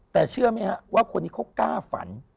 แต่เชื่อไหมฮะว่าคนนี้เขากล้าฝัน